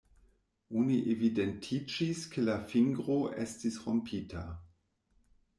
Oni evidentiĝis ke la fingro estis rompita.